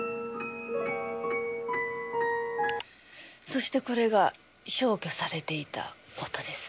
そしてこれが消去されていた音です。